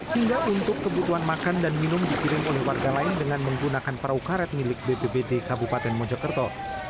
hingga untuk kebutuhan makan dan minum dikirim oleh warga lain dengan menggunakan perahu karet milik bpbd kabupaten mojokerto